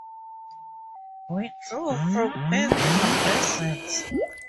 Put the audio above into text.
Withdrew for medical reasons